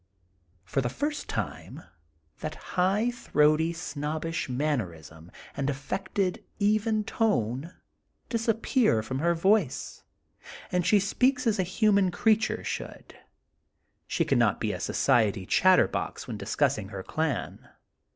For the first time that high throaty snobbish manner ism and affected even tone disappear from her voice, and she speaks as a human creature should. She cannot be a society chatterbox when discussing her clan.